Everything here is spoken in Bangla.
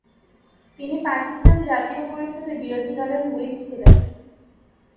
তিনি পাকিস্তান জাতীয় পরিষদে বিরোধী দলের হুইপ ছিলেন।